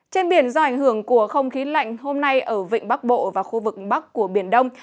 trên biển do ảnh hưởng của không khí lạnh hôm nay ở vịnh bắc bộ và khu vực bắc của biển đông